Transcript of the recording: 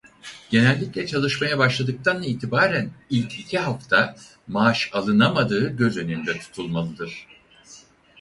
Genellikle çalışmaya başladıktan itibaren ilk iki hafta maaş alınamadığı göz önünde tutulmalıdır.